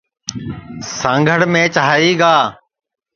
سانگڑ میچ ہری گا ہے